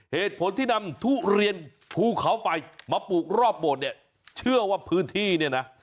เหตุผลที่นำทุเรียนภูเขาไฟมาปลูกรอบโบสถ์เนี่ยเชื่อว่าพื้นที่เนี่ยนะ